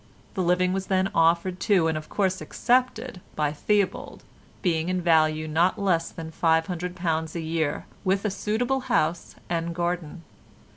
The living was then offered to and of course accepted by Theobald, being in value not less than £500 a year with a suitable house and garden.